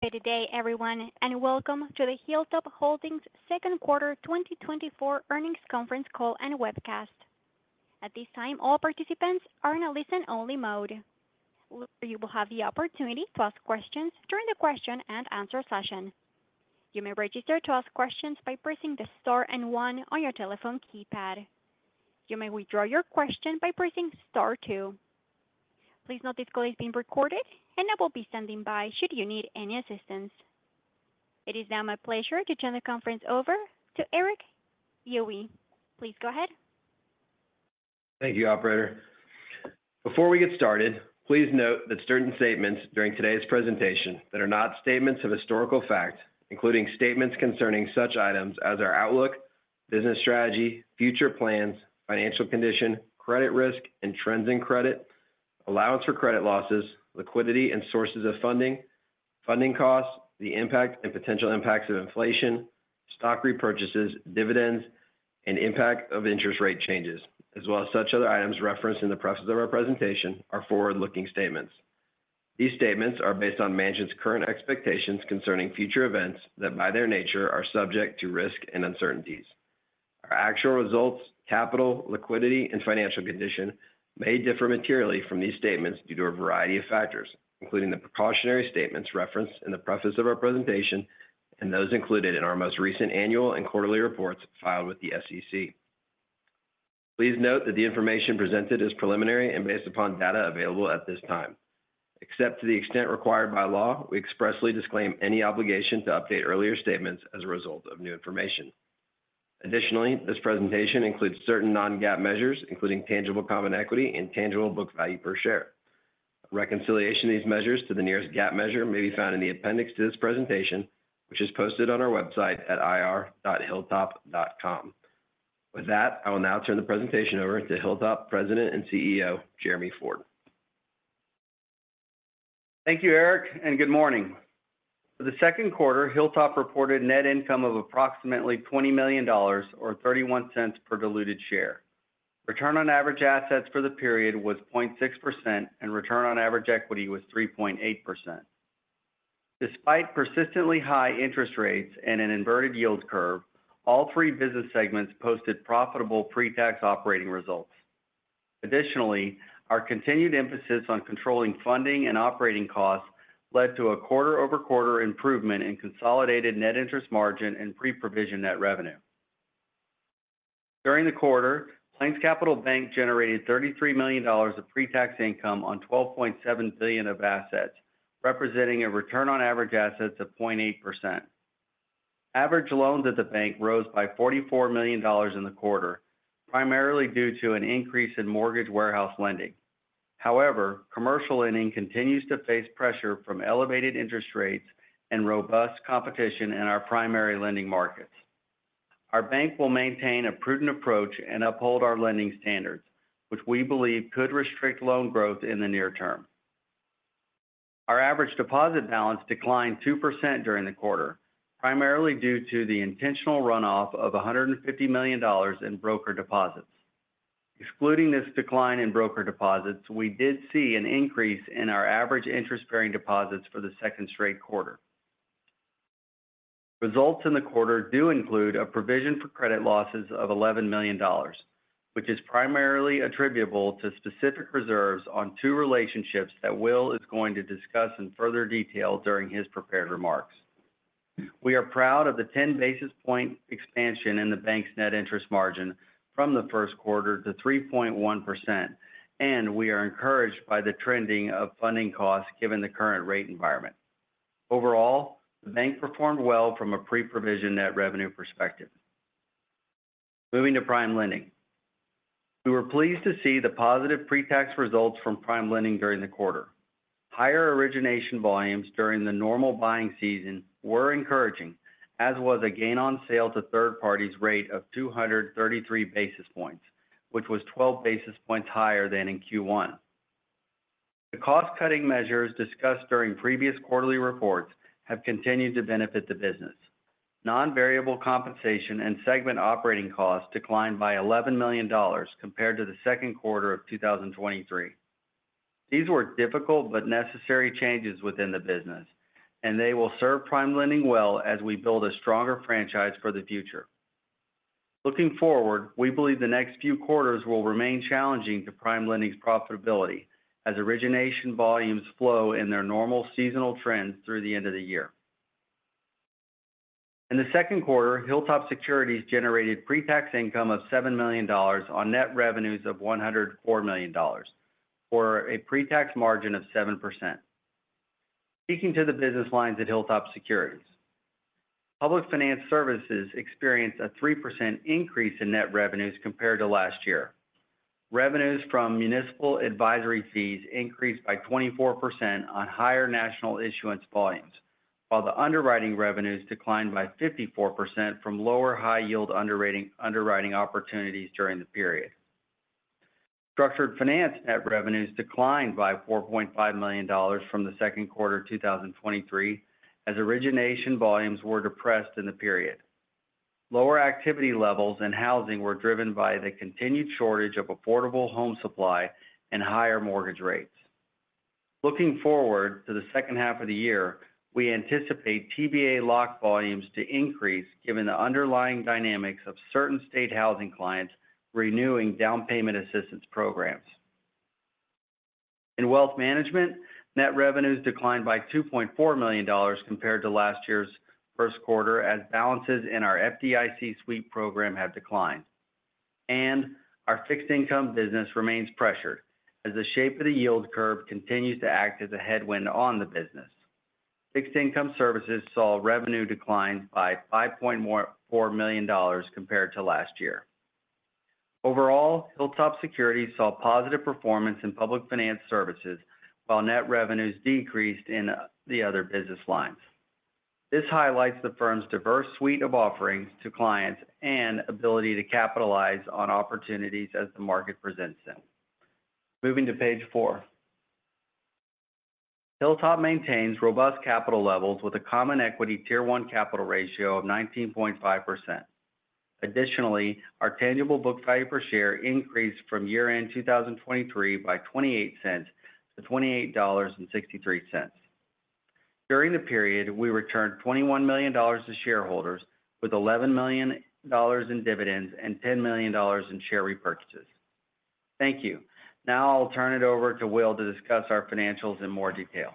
Good day, everyone, and welcome to the Hilltop Holdings second quarter 2024 earnings conference call and webcast. At this time, all participants are in a listen-only mode. You will have the opportunity to ask questions during the question-and-answer session. You may register to ask questions by pressing the star and one on your telephone keypad. You may withdraw your question by pressing star two. Please note this call is being recorded, and I will be standing by should you need any assistance. It is now my pleasure to turn the conference over to Erik Yohe. Please go ahead. Thank you, operator. Before we get started, please note that certain statements during today's presentation that are not statements of historical fact, including statements concerning such items as our outlook, business strategy, future plans, financial condition, credit risk and trends in credit, allowance for credit losses, liquidity and sources of funding, funding costs, the impact and potential impacts of inflation, stock repurchases, dividends, and impact of interest rate changes, as well as such other items referenced in the process of our presentation, are forward-looking statements. These statements are based on management's current expectations concerning future events that, by their nature, are subject to risk and uncertainties. Our actual results, capital, liquidity, and financial condition may differ materially from these statements due to a variety of factors, including the precautionary statements referenced in the preface of our presentation and those included in our most recent annual and quarterly reports filed with the SEC. Please note that the information presented is preliminary and based upon data available at this time. Except to the extent required by law, we expressly disclaim any obligation to update earlier statements as a result of new information. Additionally, this presentation includes certain non-GAAP measures, including tangible common equity and tangible book value per share. Reconciliation of these measures to the nearest GAAP measure may be found in the appendix to this presentation, which is posted on our website at ir.hilltop.com. With that, I will now turn the presentation over to Hilltop President and CEO, Jeremy Ford. Thank you, Erik, and good morning. For the second quarter, Hilltop reported net income of approximately $20 million or $0.31 per diluted share. Return on average assets for the period was 0.6%, and return on average equity was 3.8%. Despite persistently high interest rates and an inverted yield curve, all three business segments posted profitable pre-tax operating results. Additionally, our continued emphasis on controlling funding and operating costs led to a quarter-over-quarter improvement in consolidated net interest margin and pre-provision net revenue. During the quarter, PlainsCapital Bank generated $33 million of pre-tax income on $12.7 billion of assets, representing a return on average assets of 0.8%. Average loans at the bank rose by $44 million in the quarter, primarily due to an increase in mortgage warehouse lending. However, commercial lending continues to face pressure from elevated interest rates and robust competition in our primary lending markets. Our bank will maintain a prudent approach and uphold our lending standards, which we believe could restrict loan growth in the near term. Our average deposit balance declined 2% during the quarter, primarily due to the intentional runoff of $150 million in broker deposits. Excluding this decline in broker deposits, we did see an increase in our average interest-bearing deposits for the second straight quarter. Results in the quarter do include a provision for credit losses of $11 million, which is primarily attributable to specific reserves on two relationships that Will is going to discuss in further detail during his prepared remarks. We are proud of the 10 basis point expansion in the bank's net interest margin from the first quarter to 3.1%, and we are encouraged by the trending of funding costs given the current rate environment. Overall, the bank performed well from a pre-provision net revenue perspective. Moving to PrimeLending. We were pleased to see the positive pre-tax results from PrimeLending during the quarter. Higher origination volumes during the normal buying season were encouraging, as was a gain on sale to third parties rate of 233 basis points, which was 12 basis points higher than in Q1. The cost-cutting measures discussed during previous quarterly reports have continued to benefit the business. Non-variable compensation and segment operating costs declined by $11 million compared to the second quarter of 2023. These were difficult but necessary changes within the business, and they will serve PrimeLending well as we build a stronger franchise for the future. Looking forward, we believe the next few quarters will remain challenging to PrimeLending's profitability as origination volumes flow in their normal seasonal trends through the end of the year. In the second quarter, Hilltop Securities generated pre-tax income of $7 million on net revenues of $104 million, or a pre-tax margin of 7%. Speaking to the business lines at Hilltop Securities, Public Finance Services experienced a 3% increase in net revenues compared to last year. Revenues from municipal advisory fees increased by 24% on higher national issuance volumes, while the underwriting revenues declined by 54% from lower high-yield underwriting, underwriting opportunities during the period. Structured Finance net revenues declined by $4.5 million from the second quarter of 2023, as origination volumes were depressed in the period. Lower activity levels in housing were driven by the continued shortage of affordable home supply and higher mortgage rates. Looking forward to the second half of the year, we anticipate TBA lock volumes to increase given the underlying dynamics of certain state housing clients renewing down payment assistance programs. In Wealth Management, net revenues declined by $2.4 million compared to last year's first quarter, as balances in our FDIC sweep program have declined. Our fixed income business remains pressured as the shape of the yield curve continues to act as a headwind on the business. Fixed Income Services saw revenue decline by $5.4 million compared to last year. Overall, Hilltop Securities saw positive performance in Public Finance Services, while net revenues decreased in the other business lines. This highlights the firm's diverse suite of offerings to clients and ability to capitalize on opportunities as the market presents them. Moving to page four. Hilltop maintains robust capital levels with a common equity Tier 1 capital ratio of 19.5%. Additionally, our tangible book value per share increased from year-end 2023 by $0.28 to $28.63. During the period, we returned $21 million to shareholders with $11 million in dividends and $10 million in share repurchases. Thank you. Now I'll turn it over to Will to discuss our financials in more detail.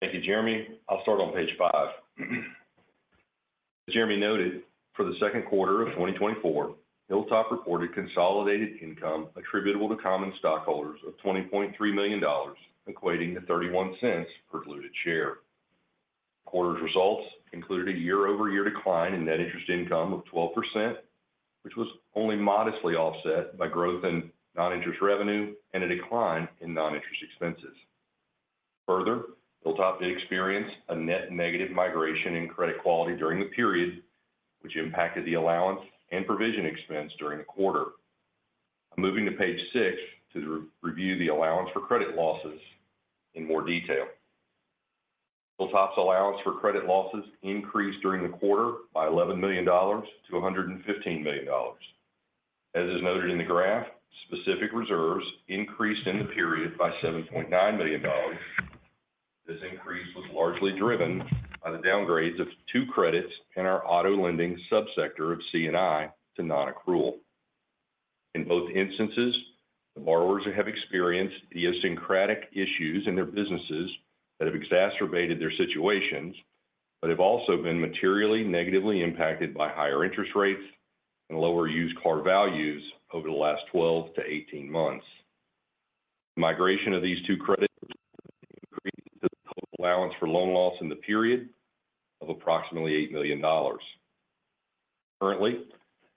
Thank you, Jeremy. I'll start on page five. As Jeremy noted, for the second quarter of 2024, Hilltop reported consolidated income attributable to common stockholders of $20.3 million, equating to $0.31 per diluted share. The quarter's results included a year-over-year decline in net interest income of 12%, which was only modestly offset by growth in non-interest revenue and a decline in non-interest expenses. Further, Hilltop experienced a net negative migration in credit quality during the period, which impacted the allowance and provision expense during the quarter. I'm moving to page six to re-review the allowance for credit losses in more detail. Hilltop's allowance for credit losses increased during the quarter by $11 million to $115 million. As is noted in the graph, specific reserves increased in the period by $7.9 million. This increase was largely driven by the downgrades of 2 credits in our auto lending sub-sector of C&I to non-accrual. In both instances, the borrowers have experienced idiosyncratic issues in their businesses that have exacerbated their situations, but have also been materially negatively impacted by higher interest rates and lower used car values over the last 12 to 18 months. Migration of these 2 credits increased the total allowance for loan loss in the period of approximately $8 million. Currently,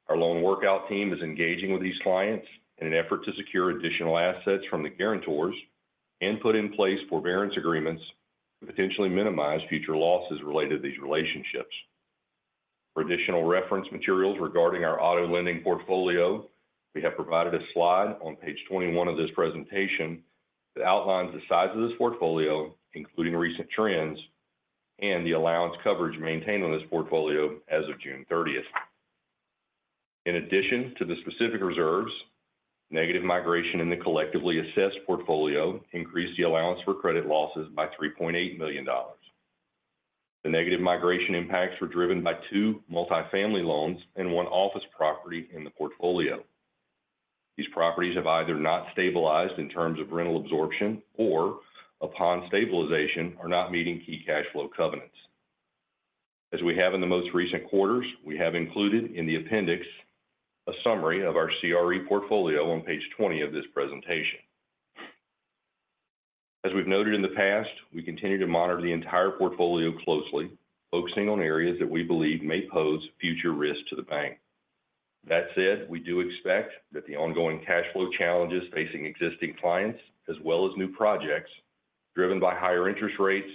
our loan workout team is engaging with these clients in an effort to secure additional assets from the guarantors and put in place forbearance agreements to potentially minimize future losses related to these relationships. For additional reference materials regarding our auto lending portfolio, we have provided a slide on page 21 of this presentation that outlines the size of this portfolio, including recent trends and the allowance coverage maintained on this portfolio as of June 30th. In addition to the specific reserves, negative migration in the collectively assessed portfolio increased the allowance for credit losses by $3.8 million. The negative migration impacts were driven by two multifamily loans and one office property in the portfolio. These properties have either not stabilized in terms of rental absorption or, upon stabilization, are not meeting key cash flow covenants. As we have in the most recent quarters, we have included in the appendix a summary of our CRE portfolio on page 20 of this presentation. As we've noted in the past, we continue to monitor the entire portfolio closely, focusing on areas that we believe may pose future risk to the bank. That said, we do expect that the ongoing cash flow challenges facing existing clients, as well as new projects driven by higher interest rates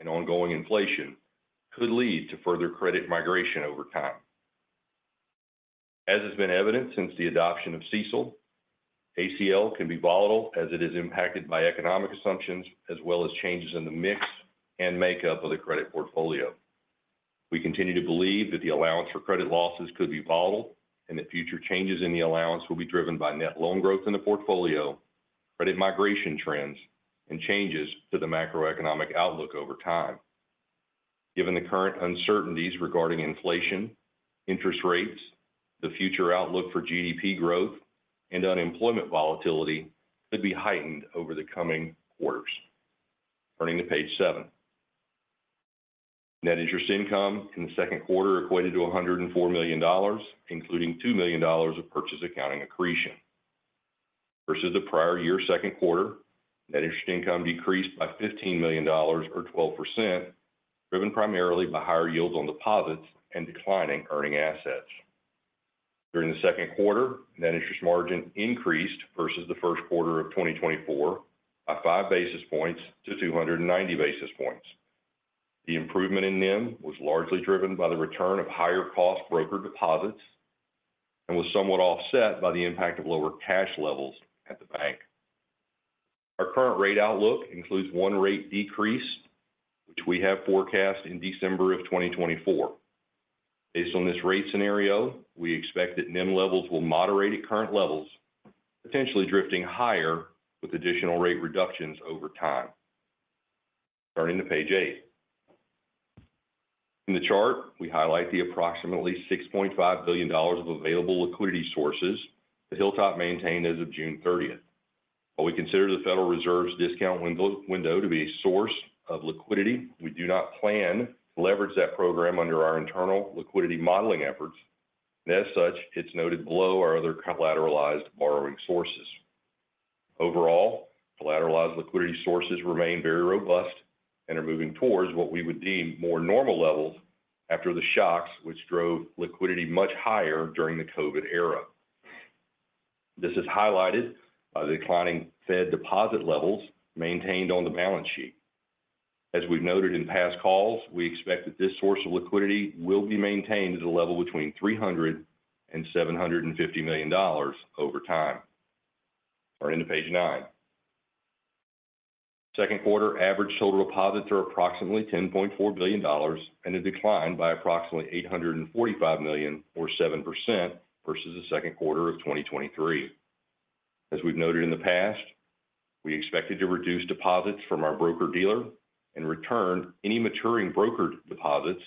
and ongoing inflation, could lead to further credit migration over time. As has been evident since the adoption of CECL, ACL can be volatile as it is impacted by economic assumptions, as well as changes in the mix and makeup of the credit portfolio. We continue to believe that the allowance for credit losses could be volatile, and that future changes in the allowance will be driven by net loan growth in the portfolio, credit migration trends, and changes to the macroeconomic outlook over time. Given the current uncertainties regarding inflation, interest rates, the future outlook for GDP growth, and unemployment volatility, could be heightened over the coming quarters. Turning to page seven. Net interest income in the second quarter equated to $104 million, including $2 million of purchase accounting accretion. Versus the prior year's second quarter, net interest income decreased by $15 million or 12%, driven primarily by higher yields on deposits and declining earning assets. During the second quarter, net interest margin increased versus the first quarter of 2024 by 5 basis points to 290 basis points. The improvement in NIM was largely driven by the return of higher cost broker deposits and was somewhat offset by the impact of lower cash levels at the bank. Our current rate outlook includes one rate decrease, which we have forecast in December of 2024. Based on this rate scenario, we expect that NIM levels will moderate at current levels, potentially drifting higher with additional rate reductions over time. Turning to page eight. In the chart, we highlight the approximately $6.5 billion of available liquidity sources that Hilltop maintained as of June 30th. While we consider the Federal Reserve's discount window to be a source of liquidity, we do not plan to leverage that program under our internal liquidity modeling efforts, and as such, it's noted below our other collateralized borrowing sources. Overall, collateralized liquidity sources remain very robust and are moving towards what we would deem more normal levels after the shocks which drove liquidity much higher during the COVID era. This is highlighted by the declining Fed deposit levels maintained on the balance sheet. As we've noted in past calls, we expect that this source of liquidity will be maintained at a level between $300 million and $750 million over time. Turning to page nine. Second quarter average total deposits are approximately $10.4 billion and have declined by approximately $845 million or 7% versus the second quarter of 2023. As we've noted in the past, we expected to reduce deposits from our broker-dealer and return any maturing brokered deposits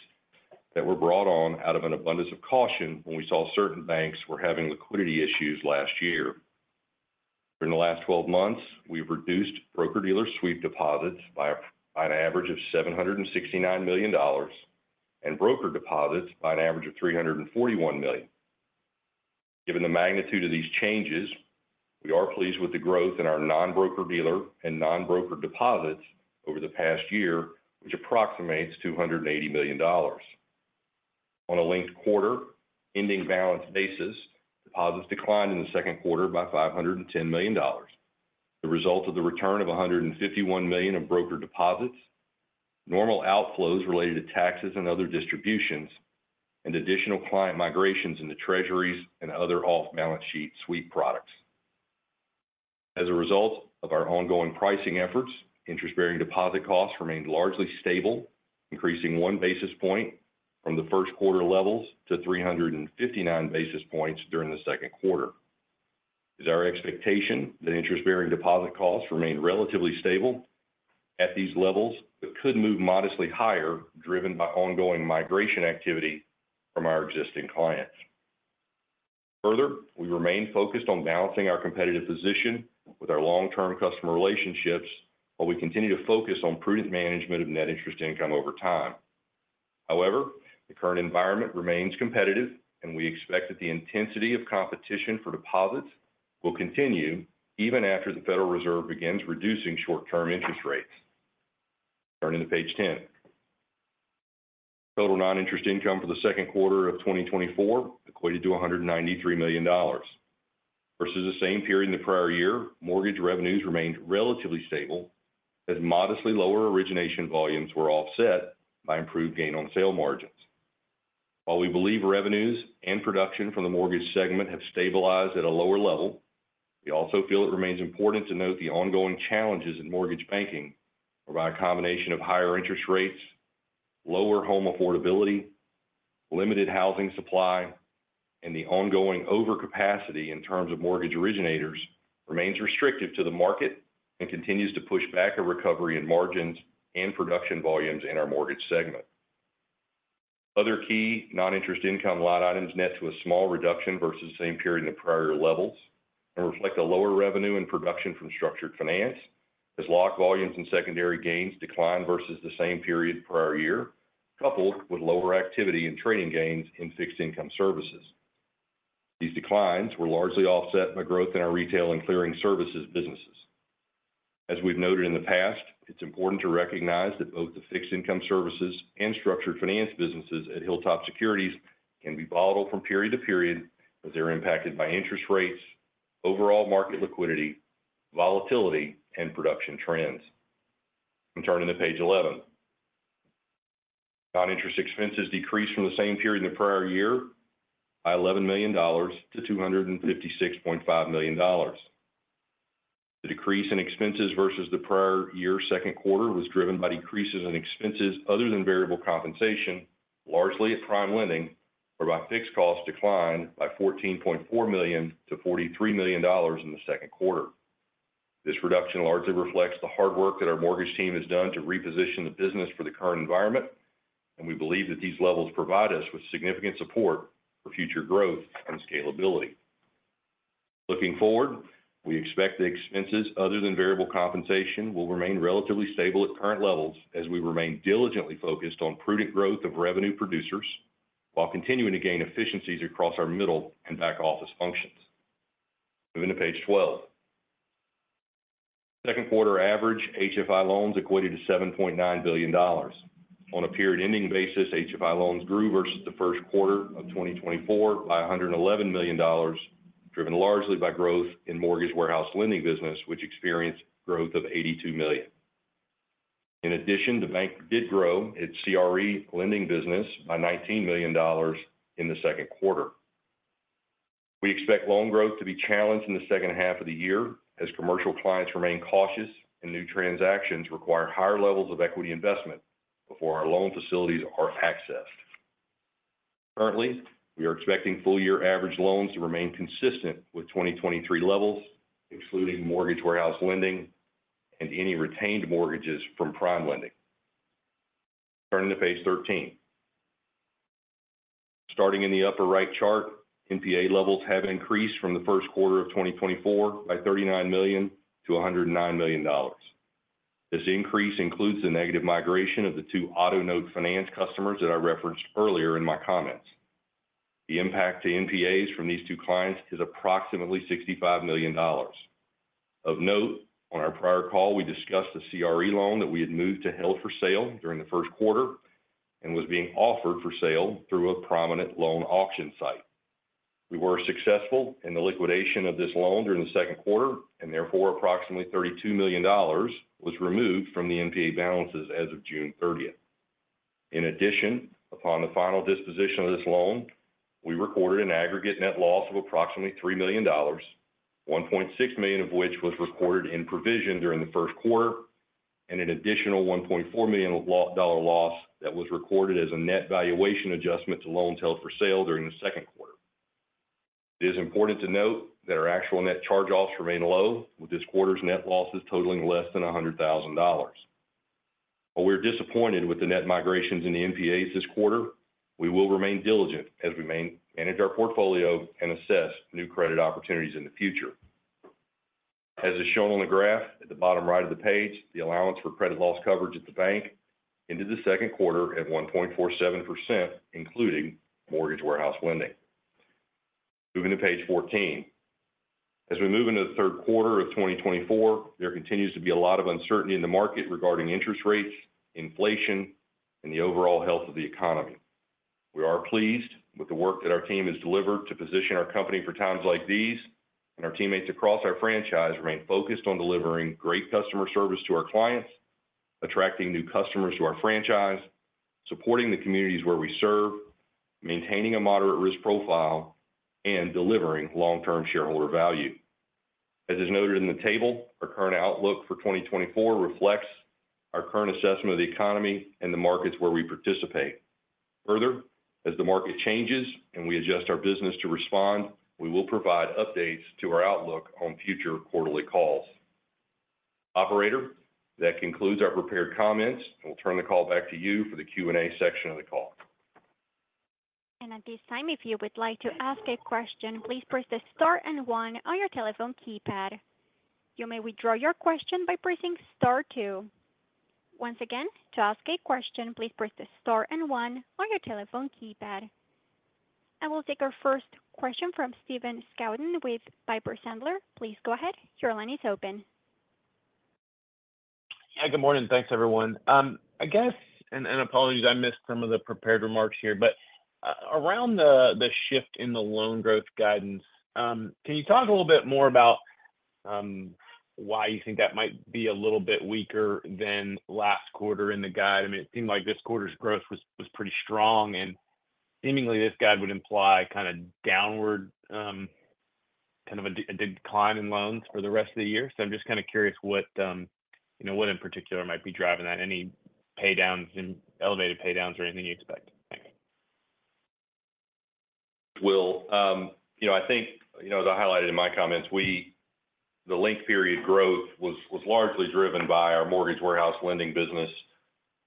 that were brought on out of an abundance of caution when we saw certain banks were having liquidity issues last year. During the last 12 months, we've reduced broker-dealer sweep deposits by an average of $769 million and broker deposits by an average of $341 million. Given the magnitude of these changes, we are pleased with the growth in our non-broker-dealer and non-broker deposits over the past year, which approximates $280 million. On a linked quarter ending balance basis, deposits declined in the second quarter by $510 million, the result of the return of $151 million in broker deposits, normal outflows related to taxes and other distributions, and additional client migrations in the Treasuries and other off-balance sheet sweep products. As a result of our ongoing pricing efforts, interest-bearing deposit costs remained largely stable, increasing 1 basis point from the first quarter levels to 359 basis points during the second quarter. It is our expectation that interest-bearing deposit costs remain relatively stable at these levels, but could move modestly higher, driven by ongoing migration activity from our existing clients. Further, we remain focused on balancing our competitive position with our long-term customer relationships, while we continue to focus on prudent management of net interest income over time. However, the current environment remains competitive, and we expect that the intensity of competition for deposits will continue even after the Federal Reserve begins reducing short-term interest rates. Turning to page 10. Total non-interest income for the second quarter of 2024 equated to $193 million. Versus the same period in the prior year, mortgage revenues remained relatively stable as modestly lower origination volumes were offset by improved gain on sale margins. While we believe revenues and production from the mortgage segment have stabilized at a lower level, we also feel it remains important to note the ongoing challenges in mortgage banking are by a combination of higher interest rates, lower home affordability, limited housing supply, and the ongoing overcapacity in terms of mortgage originators remains restrictive to the market and continues to push back a recovery in margins and production volumes in our mortgage segment. Other key non-interest income line items net to a small reduction versus the same period in the prior levels and reflect a lower revenue and production from Structured Finance, as lock volumes and secondary gains declined versus the same period prior year, coupled with lower activity and trading gains in Fixed Income Services. These declines were largely offset by growth in our retail and clearing services businesses. As we've noted in the past, it's important to recognize that both the Fixed Income Services and Structured Finance businesses at Hilltop Securities can be volatile from period to period as they're impacted by interest rates, overall market liquidity, volatility, and production trends. I'm turning to page 11. Non-interest expenses decreased from the same period in the prior year by $11 million to $256.5 million. The decrease in expenses versus the prior year second quarter was driven by decreases in expenses other than variable compensation, largely at PrimeLending, whereby fixed costs declined by $14.4 million to $43 million in the second quarter. This reduction largely reflects the hard work that our mortgage team has done to reposition the business for the current environment, and we believe that these levels provide us with significant support for future growth and scalability. Looking forward, we expect the expenses other than variable compensation will remain relatively stable at current levels as we remain diligently focused on prudent growth of revenue producers while continuing to gain efficiencies across our middle and back office functions. Moving to page 12. Second quarter average HFI loans equated to $7.9 billion. On a period-ending basis, HFI loans grew versus the first quarter of 2024 by $111 million, driven largely by growth in mortgage warehouse lending business, which experienced growth of $82 million. In addition, the bank did grow its CRE lending business by $19 million in the second quarter. We expect loan growth to be challenged in the second half of the year, as commercial clients remain cautious and new transactions require higher levels of equity investment before our loan facilities are accessed. Currently, we are expecting full year average loans to remain consistent with 2023 levels, excluding mortgage warehouse lending and any retained mortgages from PrimeLending. Turning to page 13. Starting in the upper right chart, NPA levels have increased from the first quarter of 2024 by $39 million to $109 million. This increase includes the negative migration of the two auto note finance customers that I referenced earlier in my comments. The impact to NPAs from these two clients is approximately $65 million. Of note, on our prior call, we discussed the CRE loan that we had moved to held for sale during the first quarter and was being offered for sale through a prominent loan auction site. We were successful in the liquidation of this loan during the second quarter, and therefore, approximately $32 million was removed from the NPA balances as of June 30th. In addition, upon the final disposition of this loan, we recorded an aggregate net loss of approximately $3 million, $1.6 million of which was recorded in provision during the first quarter, and an additional $1.4 million dollar loss that was recorded as a net valuation adjustment to loans held for sale during the second quarter. It is important to note that our actual net charge-offs remain low, with this quarter's net losses totaling less than $100,000. While we're disappointed with the net migrations in the NPAs this quarter, we will remain diligent as we manage our portfolio and assess new credit opportunities in the future. As is shown on the graph at the bottom right of the page, the allowance for credit loss coverage at the bank into the second quarter at 1.47%, including mortgage warehouse lending. Moving to page 14. As we move into the third quarter of 2024, there continues to be a lot of uncertainty in the market regarding interest rates, inflation, and the overall health of the economy. We are pleased with the work that our team has delivered to position our company for times like these, and our teammates across our franchise remain focused on delivering great customer service to our clients, attracting new customers to our franchise, supporting the communities where we serve, maintaining a moderate risk profile, and delivering long-term shareholder value. As is noted in the table, our current outlook for 2024 reflects our current assessment of the economy and the markets where we participate. Further, as the market changes and we adjust our business to respond, we will provide updates to our outlook on future quarterly calls. Operator, that concludes our prepared comments, and we'll turn the call back to you for the Q and A section of the call. At this time, if you would like to ask a question, please press star and one on your telephone keypad. You may withdraw your question by pressing star two. Once again, to ask a question, please press star and one on your telephone keypad. I will take our first question from Stephen Scouten with Piper Sandler. Please go ahead. Your line is open. Yeah, good morning. Thanks, everyone. I guess, apologies, I missed some of the prepared remarks here, but around the shift in the loan growth guidance, can you talk a little bit more about why you think that might be a little bit weaker than last quarter in the guide? I mean, it seemed like this quarter's growth was pretty strong, and seemingly, this guide would imply kinda downward, kind of a decline in loans for the rest of the year. So I'm just kinda curious what, you know, what in particular might be driving that. Any paydowns and elevated paydowns or anything you expect? Thank you. Well, you know, I think, you know, as I highlighted in my comments, we-- the link period growth was largely driven by our mortgage warehouse lending business,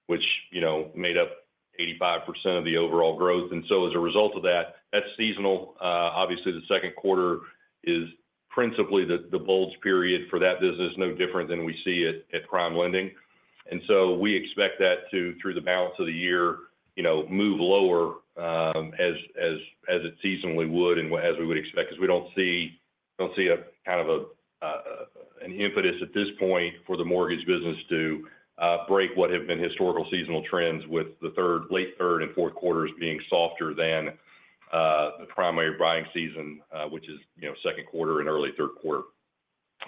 which, you know, made up 85% of the overall growth. And so as a result of that, that's seasonal. Obviously, the second quarter is principally the bulge period for that business, no different than we see at PrimeLending. We expect that to, through the balance of the year, you know, move lower, as it seasonally would and as we would expect, 'cause we don't see a kind of an impetus at this point for the mortgage business to break what have been historical seasonal trends with the third, late third and fourth quarters being softer than the primary buying season, which is, you know, second quarter and early third quarter.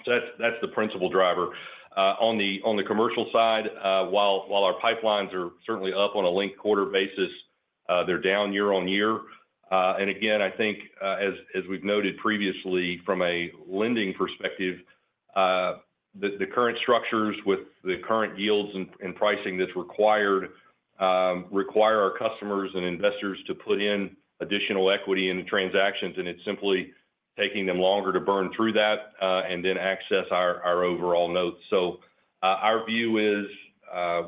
So that's the principal driver. On the commercial side, while our pipelines are certainly up on a linked-quarter basis, they're down year-on-year. And again, I think, as we've noted previously from a lending perspective, the current structures with the current yields and pricing that's required require our customers and investors to put in additional equity in the transactions, and it's simply taking them longer to burn through that and then access our overall notes. So, our view is,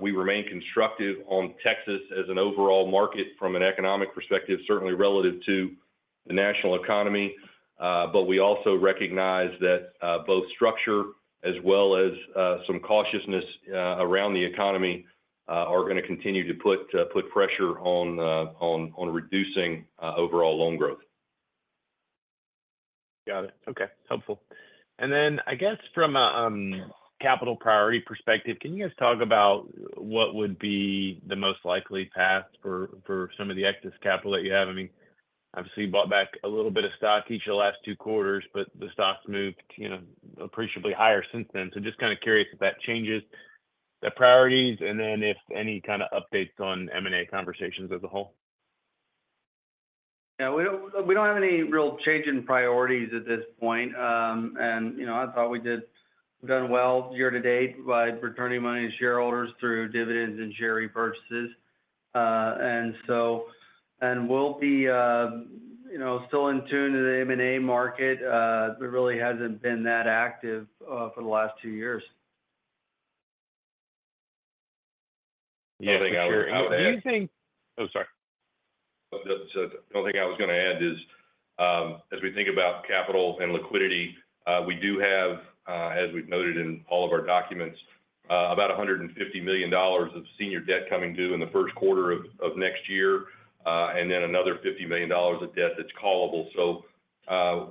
we remain constructive on Texas as an overall market from an economic perspective, certainly relative to the national economy. But we also recognize that both structure as well as some cautiousness around the economy are gonna continue to put pressure on reducing overall loan growth. Got it. Okay. Helpful. And then, I guess from a capital priority perspective, can you guys talk about what would be the most likely path for some of the excess capital that you have? I mean, obviously, you bought back a little bit of stock each of the last two quarters, but the stock's moved, you know, appreciably higher since then. So just kinda curious if that changes the priorities, and then if any kind of updates on M&A conversations as a whole? Yeah, we don't, we don't have any real change in priorities at this point. And, you know, I thought we done well year to date by returning money to shareholders through dividends and share repurchases. And we'll be, you know, still in tune to the M&A market. It really hasn't been that active, for the last two years. Do you think- The only thing I was gonna add- Do you think-- Oh, sorry. The only thing I was gonna add is, as we think about capital and liquidity, we do have, as we've noted in all of our documents, about $150 million of senior debt coming due in the first quarter of next year, and then another $50 million of debt that's callable. So,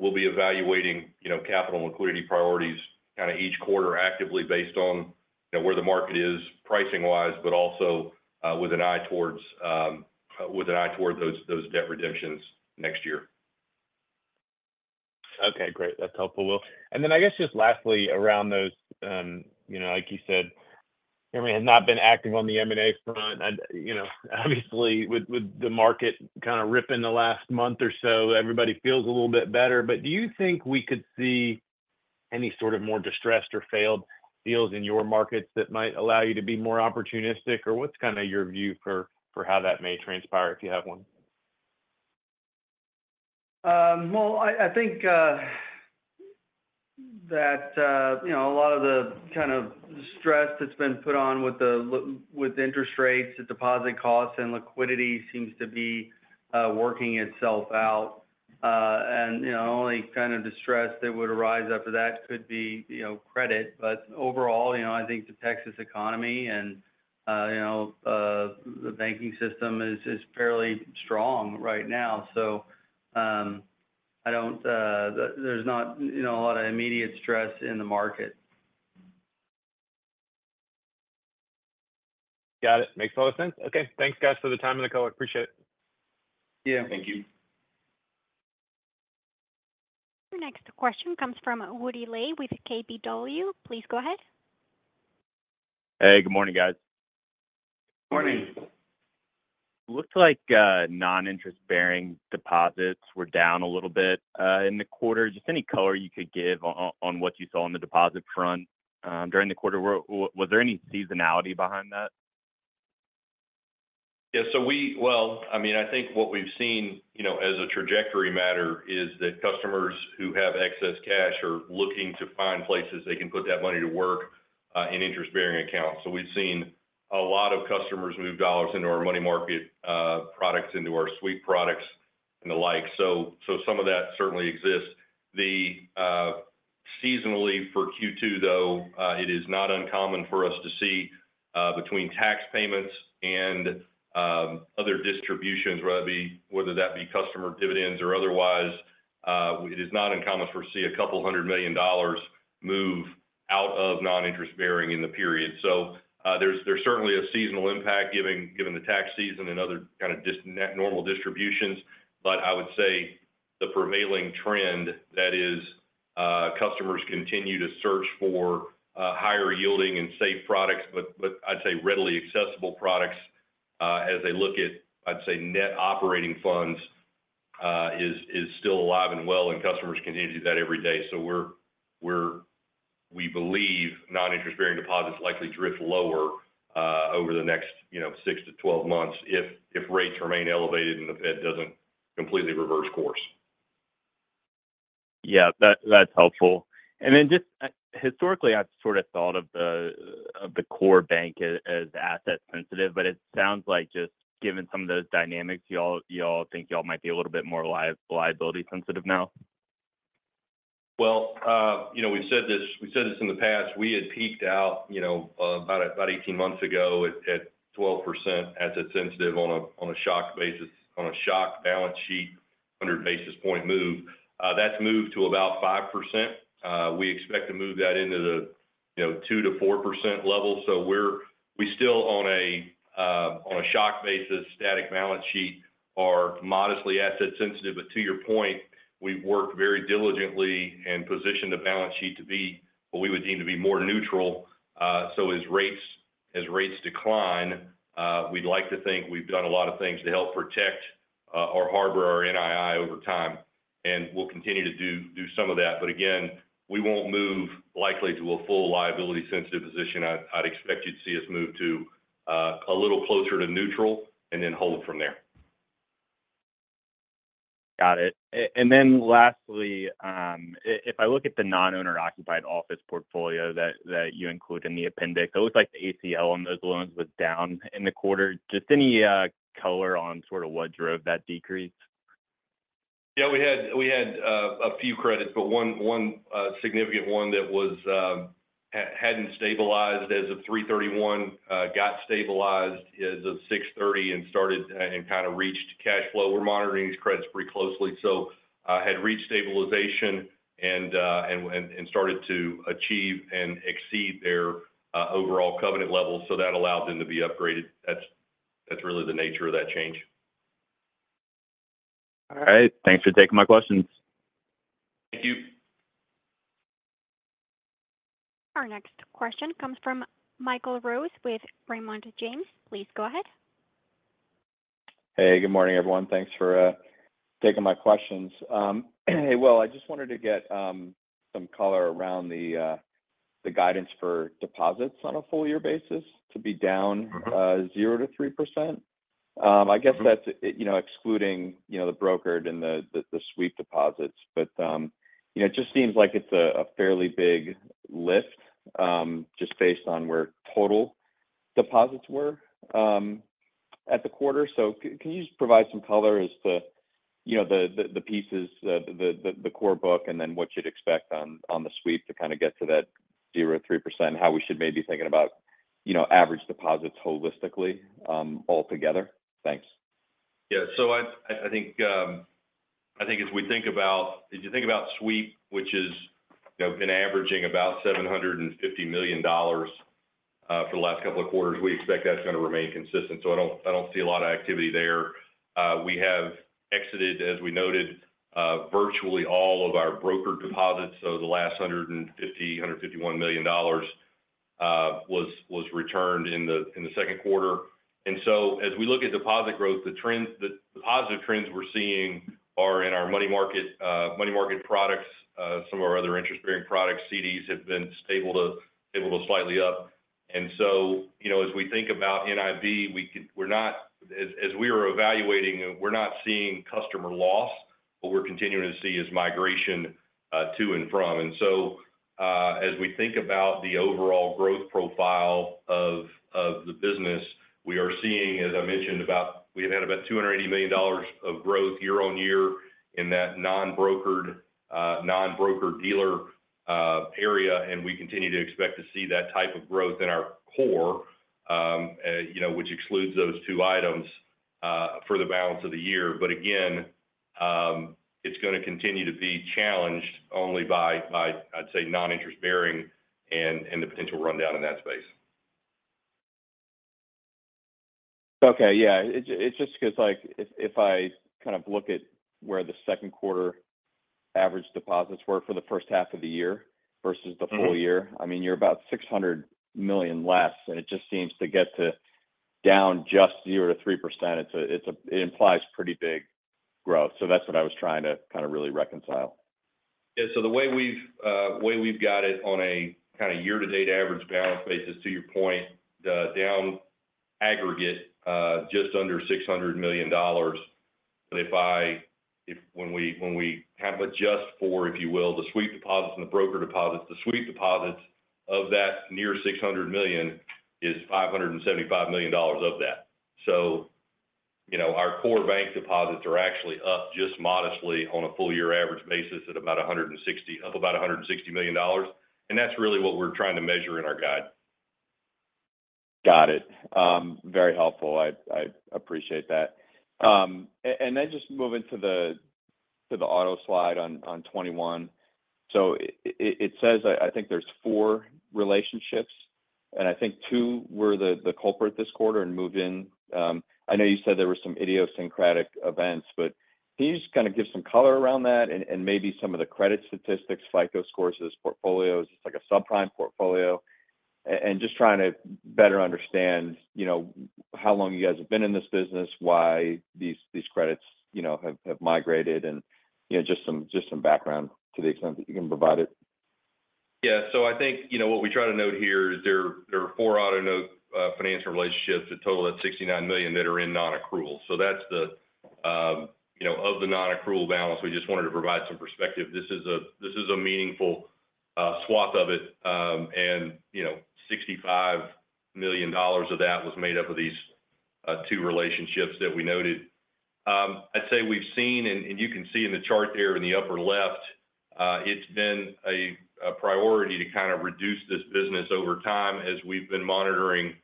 we'll be evaluating, you know, capital and liquidity priorities kind of each quarter actively based on, you know, where the market is pricing-wise, but also, with an eye towards, with an eye toward those debt redemptions next year. Okay, great. That's helpful, Will. And then I guess just lastly, around those, you know, like you said, everyone has not been active on the M&A front. And, you know, obviously, with, with the market kind of ripping the last month or so, everybody feels a little bit better. But do you think we could see any sort of more distressed or failed deals in your markets that might allow you to be more opportunistic? Or what's kind of your view for, for how that may transpire, if you have one? Well, I think, you know, a lot of the kind of stress that's been put on with interest rates, the deposit costs, and liquidity seems to be working itself out. And, you know, only kind of distress that would arise after that could be, you know, credit. But overall, you know, I think the Texas economy and, you know, the banking system is fairly strong right now. So, I don't. There's not, you know, a lot of immediate stress in the market. Got it. Makes a lot of sense. Okay. Thanks, guys, for the time and the call. I appreciate it. Yeah. Thank you. Your next question comes from Woody Lay with KBW. Please go ahead. Hey, good morning, guys. Morning. Morning. Looks like, non-interest-bearing deposits were down a little bit, in the quarter. Just any color you could give on what you saw on the deposit front, during the quarter? Was there any seasonality behind that? Yeah, so well, I mean, I think what we've seen, you know, as a trajectory matter, is that customers who have excess cash are looking to find places they can put that money to work in interest-bearing accounts. So we've seen a lot of customers move dollars into our money market products, into our sweep products, and the like. So some of that certainly exists. Seasonality for Q2, though, it is not uncommon for us to see between tax payments and other distributions, whether it be customer dividends or otherwise, it is not uncommon for us to see $200 million move out of non-interest-bearing in the period. So there's certainly a seasonal impact given the tax season and other kind of normal distributions. But I would say the prevailing trend, that is, customers continue to search for higher yielding and safe products, but I'd say readily accessible products as they look at, I'd say, net operating funds is still alive and well, and customers continue to do that every day. So we believe non-interest bearing deposits likely drift lower over the next, you know, six to 12 months if rates remain elevated and the Fed doesn't completely reverse course. Yeah, that's helpful. And then just, historically, I've sort of thought of the core bank as asset sensitive, but it sounds like just given some of those dynamics, y'all think y'all might be a little bit more liability sensitive now? Well, you know, we've said this, we've said this in the past. We had peaked out, you know, about 18 months ago at 12% asset sensitive on a shock basis, on a shock balance sheet, 100 basis point move. That's moved to about 5%. We expect to move that into the, you know, 2%-4% level. So we're still on a shock basis, static balance sheet, are modestly asset sensitive. But to your point, we've worked very diligently and positioned the balance sheet to be what we would deem to be more neutral. So as rates decline, we'd like to think we've done a lot of things to help protect or harbor our NII over time, and we'll continue to do some of that. But again, we won't move likely to a full liability sensitive position. I'd expect you to see us move to a little closer to neutral and then hold from there. Got it. And then lastly, if I look at the non-owner occupied office portfolio that you include in the appendix, it looks like the ACL on those loans was down in the quarter. Just any color on sort of what drove that decrease? Yeah, we had a few credits, but one significant one that hadn't stabilized as of 3/31 got stabilized as of 6/30 and started and kind of reached cash flow. We're monitoring these credits pretty closely. Had reached stabilization and started to achieve and exceed their overall covenant levels, so that allowed them to be upgraded. That's really the nature of that change. All right, thanks for taking my questions. Thank you. Our next question comes from Michael Rose with Raymond James. Please go ahead. Hey, good morning, everyone. Thanks for taking my questions. Well, I just wanted to get some color around the guidance for deposits on a full year basis to be down- Mm-hmm 0%-3%. I guess that's- Mm-hmm You know, excluding, you know, the brokered and the sweep deposits. But, you know, it just seems like it's a fairly big lift, just based on where total deposits were, at the quarter. So can you just provide some color as to, you know, the pieces, the core book, and then what you'd expect on the sweep to kind of get to that 0%-3%, and how we should maybe be thinking about, you know, average deposits holistically, altogether? Thanks. Yeah. So I think if you think about sweep, which is, you know, been averaging about $750 million for the last couple of quarters, we expect that's going to remain consistent. So I don't see a lot of activity there. We have exited, as we noted, virtually all of our broker deposits, so the last $151 million was returned in the second quarter. So as we look at deposit growth, the trends, the positive trends we're seeing are in our money market products. Some of our other interest-bearing products, CDs, have been stable to slightly up. You know, as we think about NIB, as we are evaluating, we're not seeing customer loss. What we're continuing to see is migration to and from. As we think about the overall growth profile of the business, we are seeing, as I mentioned, about—we have had about $280 million of growth year-over-year in that non-brokered, non-broker-dealer area, and we continue to expect to see that type of growth in our core, you know, which excludes those two items, for the balance of the year. But again, it's going to continue to be challenged only by, I'd say, non-interest bearing and the potential rundown in that space. Okay, yeah. It's just because, like, if I kind of look at where the second quarter average deposits were for the first half of the year versus the- Mm-hmm Full year, I mean, you're about $600 million less, and it just seems to get to down just 0%-3%. It's a, it's a- it implies pretty big growth. So that's what I was trying to kind of really reconcile. Yeah. So the way we've got it on a kind of year-to-date average balance basis, to your point, the down aggregate just under $600 million. So if when we kind of adjust for, if you will, the sweep deposits and the broker deposits, the sweep deposits of that near $600 million is $575 million of that. So, you know, our core bank deposits are actually up just modestly on a full year average basis at about $160 million, and that's really what we're trying to measure in our guide. Got it. Very helpful. I appreciate that. And then just moving to the Appendix slide on 21. So it says, I think there's four relationships, and I think two were the culprit this quarter and moved in. I know you said there were some idiosyncratic events, but can you just kind of give some color around that and maybe some of the credit statistics, FICO scores, those portfolios, it's like a subprime portfolio. And just trying to better understand, you know, how long you guys have been in this business, why these credits, you know, have migrated and, you know, just some background to the extent that you can provide it. Yeah. So I think, you know, what we try to note here is there are four auto note financial relationships that total at $69 million that are in nonaccrual. So that's the, you know, of the nonaccrual balance, we just wanted to provide some perspective. This is a, this is a meaningful swath of it. And, you know, $65 million of that was made up of these two relationships that we noted. I'd say we've seen, and you can see in the chart there in the upper left, it's been a priority to kind of reduce this business over time as we've been monitoring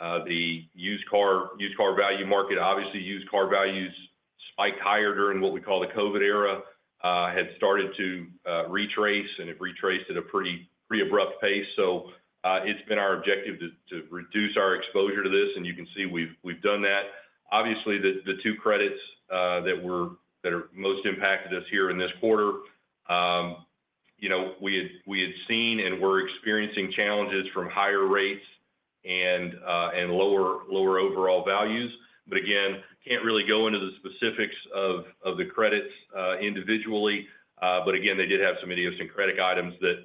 the used car value market. Obviously, used car values spiked higher during what we call the COVID era, had started to retrace, and it retraced at a pretty abrupt pace. So, it's been our objective to reduce our exposure to this, and you can see we've done that. Obviously, the two credits that were-that have most impacted us here in this quarter, you know, we had seen and were experiencing challenges from higher rates and lower overall values. But again, can't really go into the specifics of the credits individually. But again, they did have some idiosyncratic items that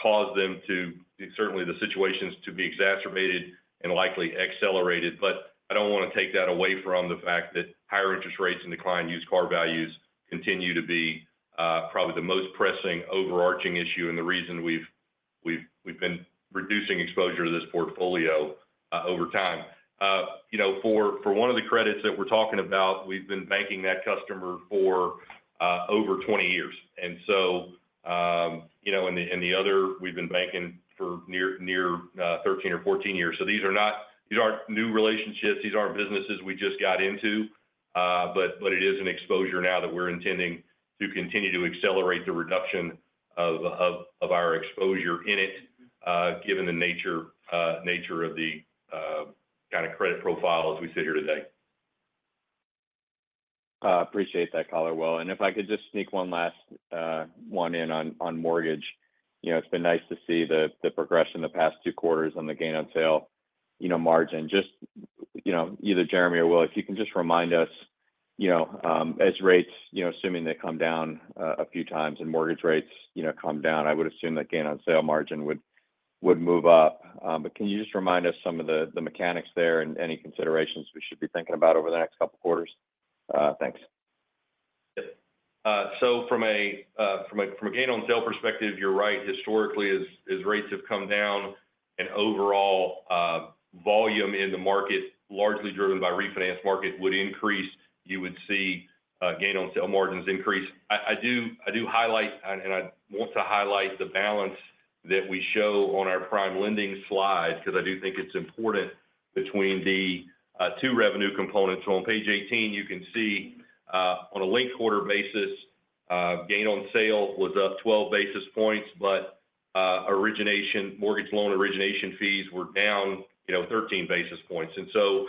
caused them to, certainly the situations, to be exacerbated and likely accelerated. But I don't want to take that away from the fact that higher interest rates and decline in used car values continue to be probably the most pressing, overarching issue and the reason we've been reducing exposure to this portfolio over time. You know, for one of the credits that we're talking about, we've been banking that customer for over 20 years. And so, you know, and the other, we've been banking for near 13 or 14 years. So these are not, these aren't new relationships, these aren't businesses we just got into, but it is an exposure now that we're intending to continue to accelerate the reduction of our exposure in it. Given the nature of the kind of credit profile as we sit here today. Appreciate that, color, Will. If I could just sneak one last one in on mortgage. You know, it's been nice to see the progression in the past two quarters on the gain on sale, you know, margin. Just, you know, either Jeremy or Will, if you can just remind us, you know, as rates, you know, assuming they come down a few times and mortgage rates, you know, come down, I would assume that gain on sale margin would move up. But can you just remind us some of the mechanics there and any considerations we should be thinking about over the next couple quarters? Thanks. Yeah. So from a gain on sale perspective, you're right. Historically, as rates have come down and overall volume in the market, largely driven by refinance market, would increase, you would see gain on sale margins increase. I do highlight, and I want to highlight the balance that we show on our PrimeLending slide, because I do think it's important between the two revenue components. So on page 18, you can see on a linked quarter basis, gain on sale was up 12 basis points, but origination-mortgage loan origination fees were down, you know, 13 basis points. And so,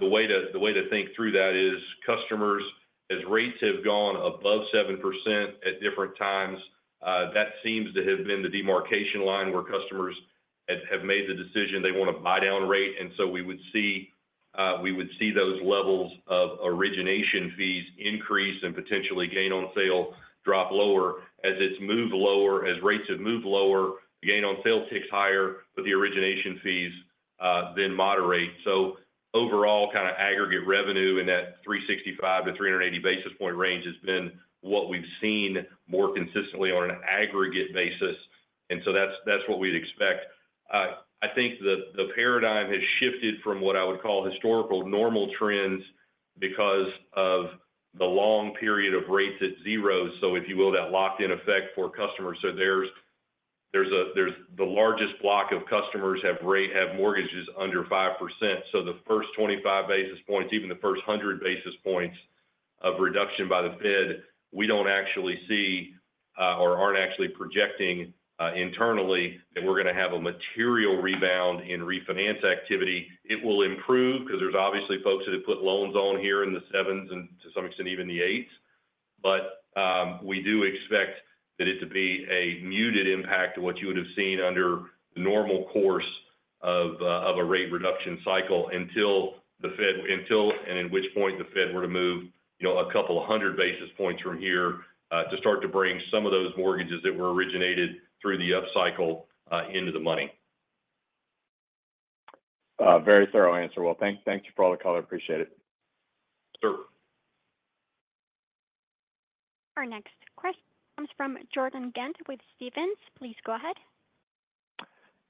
the way to, the way to think through that is customers, as rates have gone above 7% at different times, that seems to have been the demarcation line where customers have made the decision they want to buy down rate. And so we would see, we would see those levels of origination fees increase and potentially gain on sale drop lower. As it's moved lower, as rates have moved lower, gain on sale ticks higher, but the origination fees then moderate. So overall, kind of aggregate revenue in that 365-380 basis point range has been what we've seen more consistently on an aggregate basis, and so that's, that's what we'd expect. I think the paradigm has shifted from what I would call historical normal trends because of the long period of rates at 0. So if you will, that locked in effect for customers. So there's the largest block of customers have mortgages under 5%. So the first 25 basis points, even the first 100 basis points of reduction by the Fed, we don't actually see or aren't actually projecting internally that we're going to have a material rebound in refinance activity. It will improve because there's obviously folks that have put loans on here in the 7s and to some extent, even the 8s. But we do expect that it to be a muted impact to what you would have seen under the normal course of a rate reduction cycle until the Fed. until and in which point the Fed were to move, you know, a couple of 100 basis points from here, to start to bring some of those mortgages that were originated through the upcycle, into the money. Very thorough answer. Well, thank you for all the color. Appreciate it. Sure. Our next question comes from Jordan Ghent with Stephens. Please go ahead.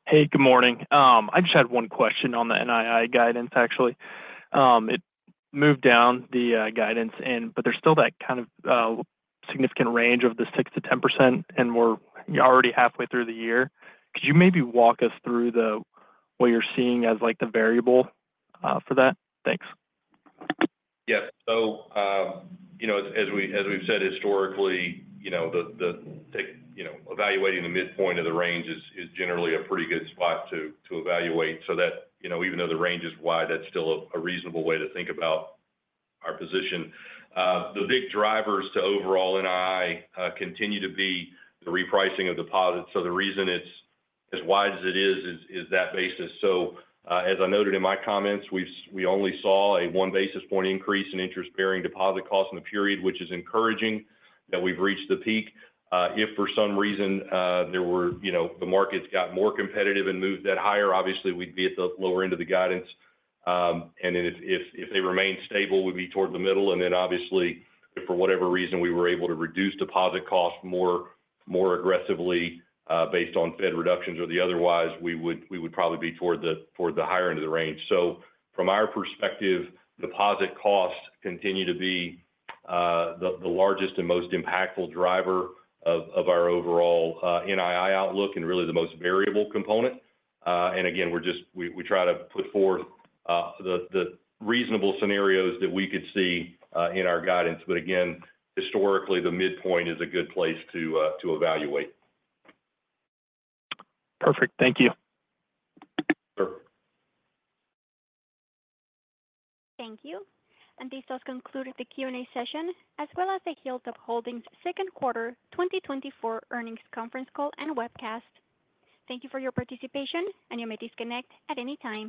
Hey, good morning. I just had one question on the NII guidance, actually. It moved down the guidance and, but there's still that kind of significant range of the 6%-10%, and we're already halfway through the year. Could you maybe walk us through the, what you're seeing as, like, the variable for that? Thanks. Yeah. So, you know, as we've said historically, you know, evaluating the midpoint of the range is generally a pretty good spot to evaluate. So that, you know, even though the range is wide, that's still a reasonable way to think about our position. The big drivers to overall NII continue to be the repricing of deposits. So the reason it's as wide as it is is that basis. So, as I noted in my comments, we only saw a one basis point increase in interest-bearing deposit costs in the period, which is encouraging that we've reached the peak. If for some reason, you know, the markets got more competitive and moved that higher, obviously, we'd be at the lower end of the guidance. And then if they remained stable, we'd be toward the middle. And then obviously, if for whatever reason, we were able to reduce deposit costs more aggressively, based on Fed reductions or the otherwise, we would probably be toward the higher end of the range. So from our perspective, deposit costs continue to be the largest and most impactful driver of our overall NII outlook and really the most variable component. And again, we're just we try to put forth the reasonable scenarios that we could see in our guidance. But again, historically, the midpoint is a good place to evaluate. Perfect. Thank you. Sure. Thank you. This does conclude the Q and A session, as well as the Hilltop Holdings second quarter 2024 earnings conference call and webcast. Thank you for your participation, and you may disconnect at any time.